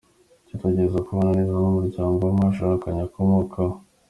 Gerageza kubana neza n’umuryango uwo mwashakanye akomokamo.